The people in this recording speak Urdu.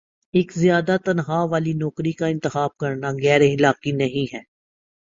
ایک زیادہ تنخواہ والی نوکری کا انتخاب کرنا غیراخلاقی نہیں ہے